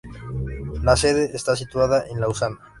La sede está situada en Lausana.